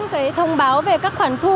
cái thông báo về các khoản thu